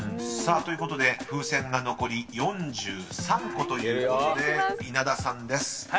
［さあということで風船が残り４３個ということで稲田さんです］